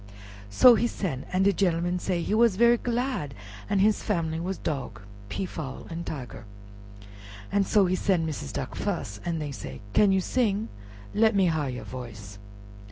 So he sen', an' de genelman say he was very glad an' his family was Dog, Peafowl, and Tiger. So he sen' Missis Duck fus, an' dey said, "Can you sing? let me har you voice."